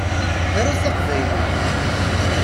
Arut taqbaylit!